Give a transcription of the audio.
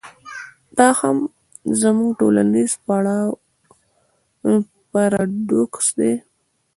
دا هم زموږ ټولنیز پراډوکس دی.